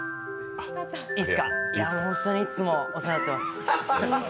いや、本当にいつもお世話になってます。